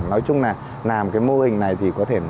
nói chung là làm cái mô hình này thì có thể